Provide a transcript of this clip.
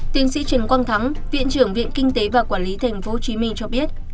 tiến sĩ trần quang thắng viện trưởng viện kinh tế và quản lý tp hcm cho biết